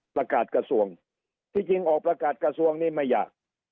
ประกาศกระทรวงศ์ที่จริงออกประกาศกระทรวงศ์นี่ไม่อยาก